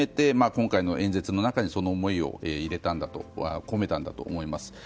今回の演説の中にその思いを込めたんだと思います。